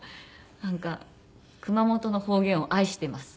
なんか熊本の方言を愛しています。